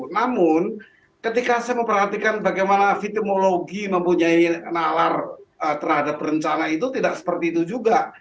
namun ketika saya memperhatikan bagaimana vitimologi mempunyai nalar terhadap rencana itu tidak seperti itu juga